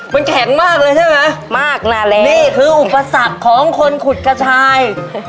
มันแข็งมากเลยใช่ไหมมากนานแล้วนี่คืออุปสรรคของคนขุดกระชาย